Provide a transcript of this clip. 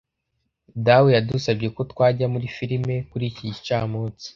dawe yadusabye ko twajya muri firime kuri iki gicamunsi